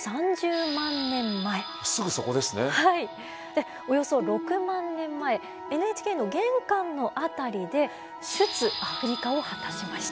でおよそ６万年前ＮＨＫの玄関の辺りで出・アフリカを果たしました。